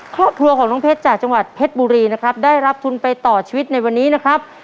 ครอบครัวของน้องเพชรจากจังหวัดเพชรบุรีนะครับได้รับทุนไปต่อชีวิตในวันนี้นะครับ